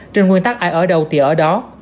trên nguyên tắc ai ở đâu thì ở đó